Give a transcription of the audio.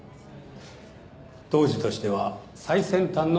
当時としては最先端の画風。